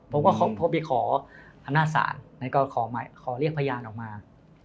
ผมก็พอไปขออำนาจศาลแล้วก็ขอเรียกพยานออกมา